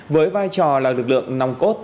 với vai trò là lực lượng nòng cốt